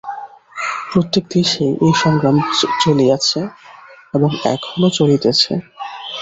প্রত্যেক দেশেই এই সংগ্রাম চলিয়াছে, এবং এখনও চলিতেছে।